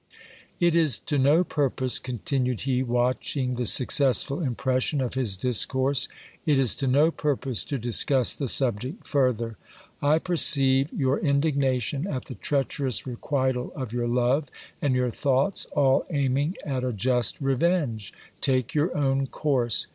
It is to no purpose, continued he, watching the successful impression of his discourse, it is to no purpose to discuss the subject further. I perceive your in dignation at the treacherous requital of your love, and your thoughts all aiming at a just revenge. Take your own course.